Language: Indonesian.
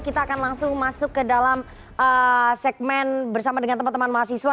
kita akan langsung masuk ke dalam segmen bersama dengan teman teman mahasiswa